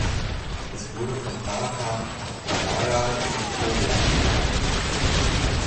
Es wurde von Pater Carvajal „Victoria“ getauft.